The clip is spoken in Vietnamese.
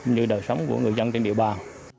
như đời sống của người dân trên địa bàn